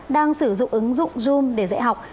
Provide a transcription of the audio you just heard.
đang sử dụng ứng dụng zoom để dạy học